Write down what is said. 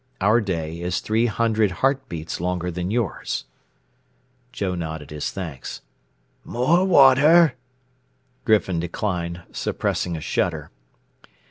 Our day is three hundred heartbeats longer than yours." Joe nodded his thanks. "More water?" Griffin declined, suppressing a shudder.